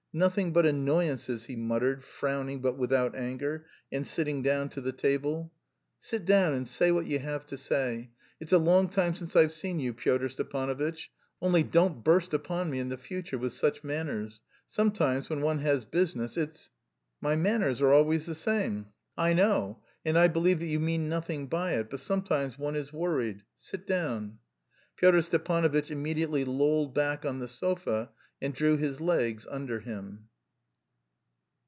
nothing but annoyances," he muttered, frowning but without anger, and sitting down to the table. "Sit down and say what you have to say. It's a long time since I've seen you, Pyotr Stepanovitch, only don't burst upon me in the future with such manners... sometimes, when one has business, it's..." "My manners are always the same...." "I know, and I believe that you mean nothing by it, but sometimes one is worried.... Sit down." Pyotr Stepanovitch immediately lolled back on the sofa and drew his legs under him.